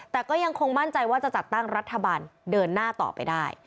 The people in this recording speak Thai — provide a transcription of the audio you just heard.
แต่ก็ยังคงมั่นใจว่าจะจัดตั้งรัฐบาลเดินหน้าต่อไปได้